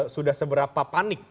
sudah seberapa panik